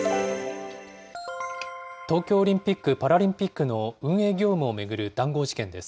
東京オリンピック・パラリンピックの運営業務を巡る談合事件